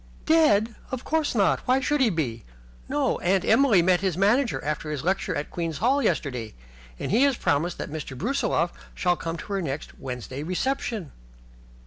"Dead? Of course not. Why should he be? No, Aunt Emily met his manager after his lecture at Queen's Hall yesterday, and he has promised that Mr. Brusiloff shall come to her next Wednesday reception."